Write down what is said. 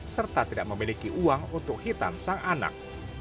serta tidak memiliki uang untuk hitam sang anak